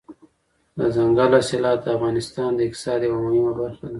دځنګل حاصلات د افغانستان د اقتصاد یوه مهمه برخه ده.